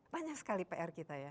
banyak sekali pr kita ya